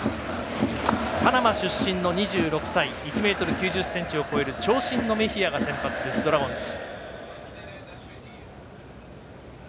パナマ出身の２６歳１ｍ９０ｃｍを超える長身のメヒアが先発です、ドラゴンズ。